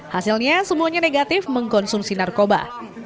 hasilnya semuanya negatif mengkonsumsi narkoba